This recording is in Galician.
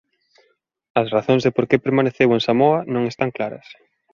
As razóns de por que permaneceu en Samoa non están claras.